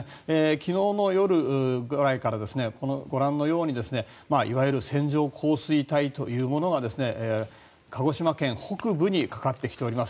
昨日の夜ぐらいからご覧のようにいわゆる線状降水帯というものが鹿児島県北部にかかってきています。